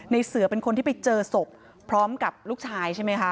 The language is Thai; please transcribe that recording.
เสือเป็นคนที่ไปเจอศพพร้อมกับลูกชายใช่ไหมคะ